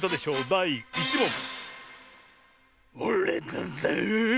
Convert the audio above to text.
だい１もん！